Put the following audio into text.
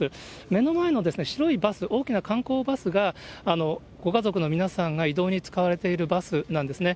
目の前の白いバス、大きな観光バスがご家族の皆さんが移動に使われているバスなんですね。